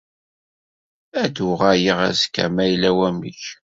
Ad d-uɣaleɣ azekka ma yella wamek.